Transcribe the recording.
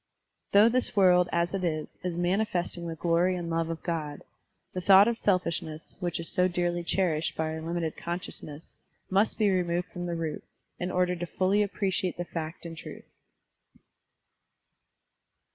Though this world, as it is, is manifesting the glory and love of God, the thought of selfish ness which is so dearly cherished by our limited consciousness must be removed from the root, in order fully to appreciate the fact and truth.